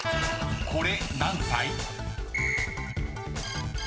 ［これ何歳？］